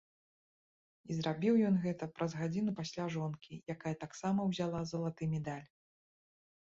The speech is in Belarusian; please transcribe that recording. І зрабіў ён гэта праз гадзіну пасля жонкі, якая таксама ўзяла залаты медаль.